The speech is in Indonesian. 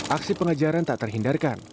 aksi pengejaran tak terhindarkan